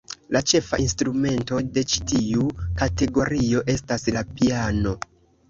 La ĉefa instrumento de ĉi tiu kategorio estas la piano.